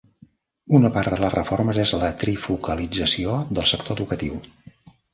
Una part de les reformes és la trifocalització del sector educatiu.